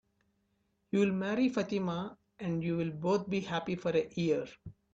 You'll marry Fatima, and you'll both be happy for a year.